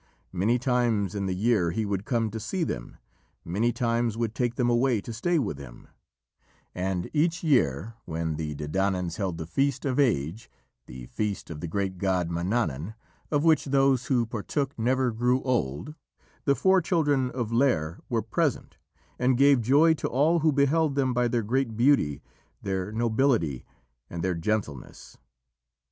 Many times in the year he would come to see them, many times would take them away to stay with him, and each year when the Dedannans held the Feast of Age the feast of the great god Mannanan, of which those who partook never grew old the four children of Lîr were present, and gave joy to all who beheld them by their great beauty, their nobility, and their gentleness.